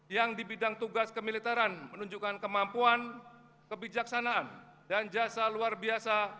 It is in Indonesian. yang di bidang tugas kemiliteran menunjukkan kemampuan kebijaksanaan dan jasa luar biasa